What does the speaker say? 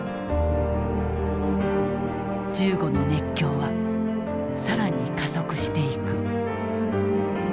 銃後の熱狂は更に加速していく。